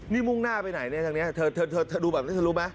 นี่มุ่งหน้าไปไหนเนี่ยทางนี้เธอดูแบบนี้เธอรู้ไหม